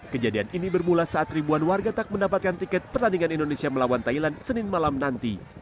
kejadian ini bermula saat ribuan warga tak mendapatkan tiket pertandingan indonesia melawan thailand senin malam nanti